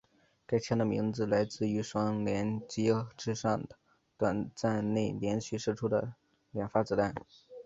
该枪的名字来自于双连击之上在短时间内连续射出两发子弹。